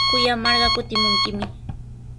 Kuyamarqa kutimunkimi.